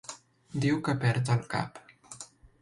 Diu que perd el cap.